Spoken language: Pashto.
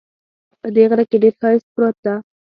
په دې غره کې ډېر ښایست پروت ده